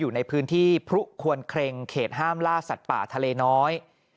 อยู่ในพื้นที่พรุควรเครงเขตห้ามล่าสัตว์ป่าทะเลน้อย